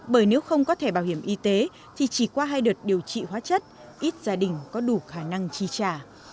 bởi nếu không có thẻ bảo hiểm y tế thì chỉ qua hai đợt điều trị hóa chất ít gia đình có đủ khả năng chi trả